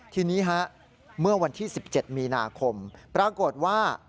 ทีนี้เมื่อวันที่๑๗มีนาคมปรากฏว่า